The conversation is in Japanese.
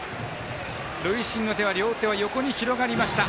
塁審の手は両手が横に広がりました。